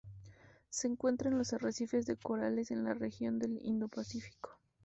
Se encuentra en los arrecifes de corales en la región del Indo-Pacífico.